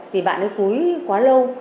vì bạn ấy cúi quá lâu